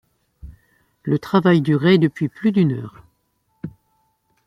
Le travail durait depuis plus d’une heure.